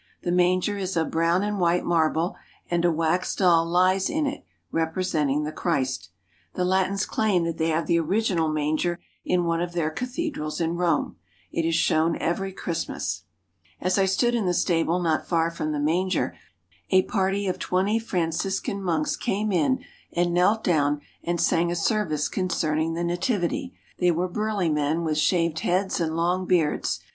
The manger is of brown and white marble, and a wax doll lies in it representing the Christ. The Latins claim that they have the original manger in one of their cathedrals in Rome. It is shown every Christ mas. As I stood in the stable not far from the manger, a party of twenty Franciscan monks came in and knelt down and sang a service concerning the Nativity. They were burly men with shaved heads and long beards.